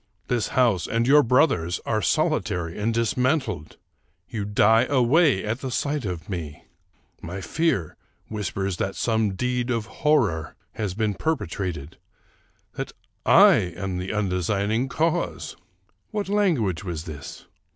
This house and your brother's are solitary and dismantled ! You die away at the sight of me ! My fear whispers that some deed of horror has been per petrated ; that I am the undesigning cause." What language was this?